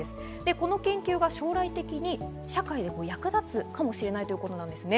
この研究が将来的に社会に役立つかもしれないということなんですね。